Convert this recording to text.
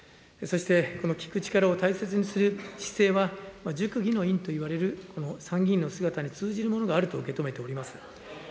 そしてこの聞く力を大切にする姿勢は熟議の院といわれるこの参議院の姿に通じるものがあると受け止めております。